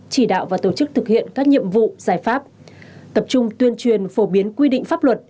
chỉ đạo và tổ chức thực hiện các nhiệm vụ giải pháp tập trung tuyên truyền phổ biến quy định pháp luật